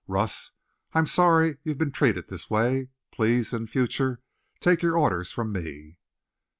Russ, I'm sorry you've been treated this way. Please, in future, take your orders from me."